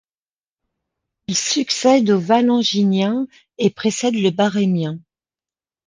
Il succède au Valanginien et précède le Barrémien.